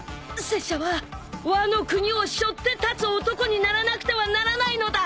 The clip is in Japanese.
拙者はワノ国をしょって立つ男にならなくてはならないのだ！